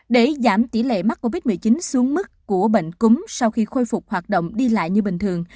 để giảm tỷ lệ mắc covid một mươi chín xuống mức của bệnh cúm sau khi khôi phục hoạt động đi lại như bình thường